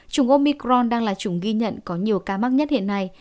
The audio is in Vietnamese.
chủng omicron đang là chủng ghi nhận có nhiều ca mắc nhất hiện nay